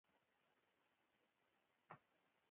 زه د خندا ارزښت پېژنم.